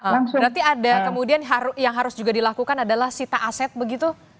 berarti ada kemudian yang harus juga dilakukan adalah sita aset begitu